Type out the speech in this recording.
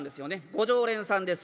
ご常連さんです。